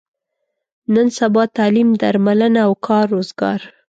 نن سبا تعلیم، درملنه او کار روزګار.